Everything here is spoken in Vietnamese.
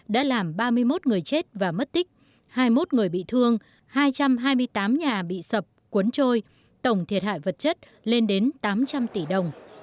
đã làm ba mươi một người chết và mất tích hai mươi một người bị thương hai trăm hai mươi tám nhà bị sập cuốn trôi tổng thiệt hại vật chất lên đến tám trăm linh tỷ đồng